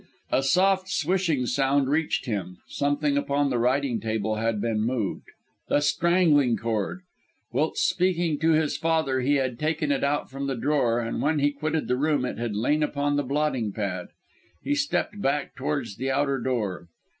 A soft swishing sound reached him. Something upon the writing table had been moved. The strangling cord! Whilst speaking to his father he had taken it out from the drawer, and when he quitted the room it had lain upon the blotting pad. He stepped back towards the outer door.